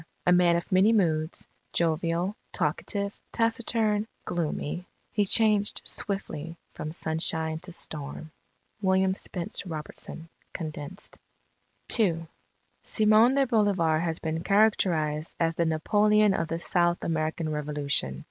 A man of many moods, jovial, talkative, taciturn, gloomy, he changed swiftly from sunshine to storm. William Spence Robertson (Condensed) II "Simon de Bolivar has been characterized as the Napoleon of the South American Revolution